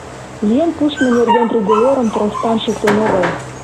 Лӱен пуштмо нерген приговорым простан шуктен огыл.